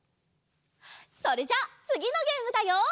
それじゃあつぎのゲームだよ！